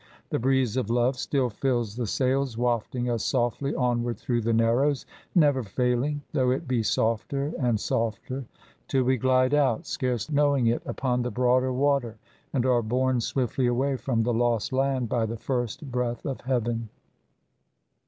The breeze of love still fills the sails, wafting us softly onward through the narrows, never failing, though it be softer and softer, till we glide out, scarce knowing it, upon the broader water and are borne swiftly away from the lost land by the first breath of heaven."